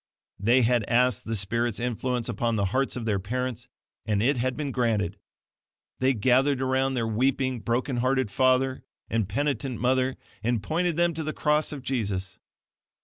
They had asked the Spirit's influence upon the hearts of their parents, and it had been granted. They gathered around their weeping, broken hearted father and penitent mother, and pointed them to the cross of Jesus.